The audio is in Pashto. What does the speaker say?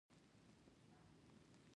هغه الطاف حسين به ژوندى پرې نه ږدم.